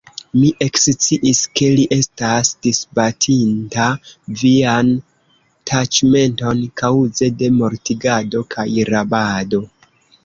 Mi eksciis, ke li estas disbatinta vian taĉmenton kaŭze de mortigado kaj rabado.